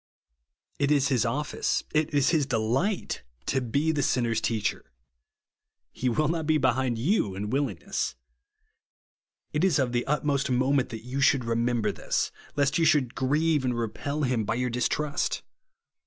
It is his office, it is his delio^ht, to be the sinner's teacher. He will not be behind you in willingness. It is of the utmost moment that you should remember this ; lest you should grieve and repel him by your distrust.